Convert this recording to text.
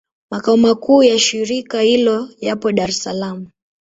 Makao makuu ya shirika hilo yapo Dar es Salaam.